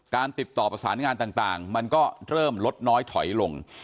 ติดต่อประสานงานต่างมันก็เริ่มลดน้อยถอยลง